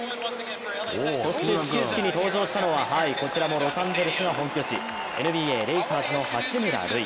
そして始球式に登場したのはこちらもロサンゼルスが本拠地ＮＢＡ・レイカーズの八村塁。